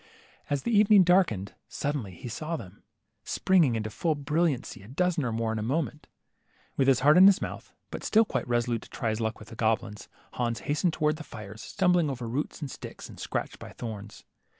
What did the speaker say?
As the evening darkened, suddenly he saw them, springing into full brilliancy, a dozen or more in a moment. With his heart in his mouth, but still quite reso lute to try his luck with the goblins, Hans hastened towards the fires, stumbling over roots and sticks, and scratched by thorns.